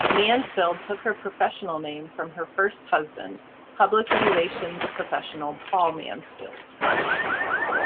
Mansfield took her professional name from her first husband, public relations professional Paul Mansfield.